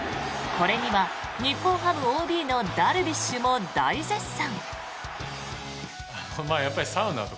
これには、日本ハムＯＢのダルビッシュも大絶賛。